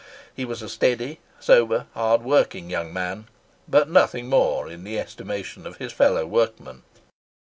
He was a steady, sober, hard working young man, but nothing more in the estimation of his fellow workmen.